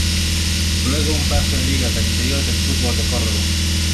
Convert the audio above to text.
Luego un paso en ligas del Interior del Fútbol de Córdoba.